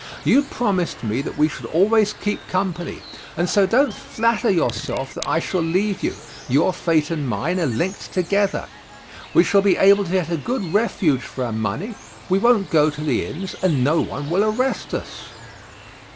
You promised me that we should always keep company; and so don't flatter yourself that I shall leave you, your fate and mine are linked together. We shall be able to get a good refuge for our money, we won't go to the inns, and no one will arrest us."